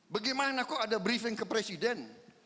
bagaimana kok ada briefing ke presiden